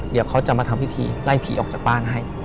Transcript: เดี๋ยวเขาจะมาทำพิธีไล่ผีออกจากบ้านให้